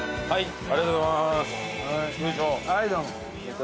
はい。